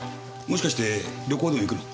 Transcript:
もしかして旅行でも行くの？